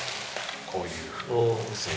こういうふうにですね。